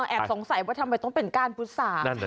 แอบสงสัยว่าทำไมต้องเป็นก้านพุษา